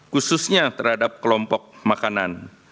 khususnya terhadap kelompok makanan